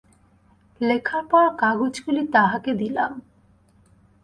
লেখার পর কাগজগুলি তাঁহাকে দিলাম।